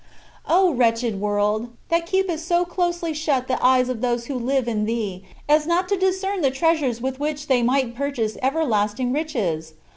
O wretched world ! that keepest so closely shut the eyes of those who live in thee, as not to discern the treasures with which they might purchase everlasting riches